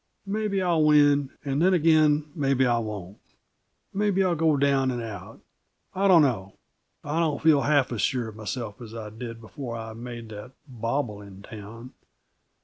Maybe I'll win, and then again maybe I won't. Maybe I'll go down and out. I don't know I don't feel half as sure of myself as I did before I made that bobble in town.